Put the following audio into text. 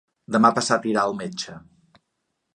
Demà passat irà al metge.